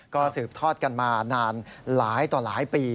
ก็สืบทอดกันมานานหลายต่อหลายปี